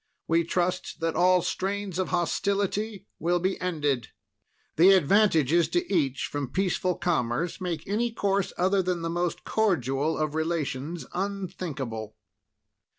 We trust that all strains of hostility will be ended. The advantages to each from peaceful commerce make any course other than the most cordial of relations unthinkable.